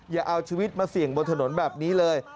อย่าเอาชีวิตมาเสี่ยงบนถนนแบบนี้เลย